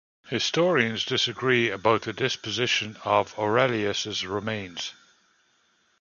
Historians disagree about the disposition of Aurelius's remains.